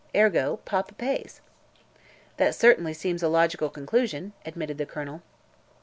Ergo, papa pays." "That certainly seems a logical conclusion," admitted the Colonel.